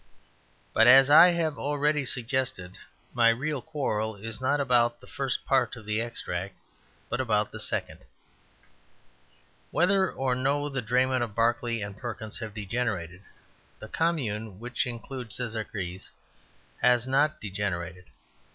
But, as I have already suggested, my real quarrel is not about the first part of the extract, but about the second. Whether or no the draymen of Barclay and Perkins have degenerated, the Commune which includes Szekeres has not degenerated.